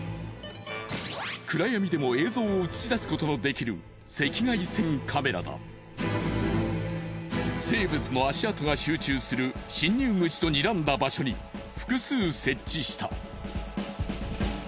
暗闇でも映像を映し出すことのできる生物の足跡が集中する侵入口とにらんだ場所に複数設置した。